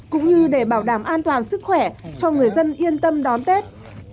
cũng như để bảo đảm an toàn sức khỏe cho người dân yên tâm đón tết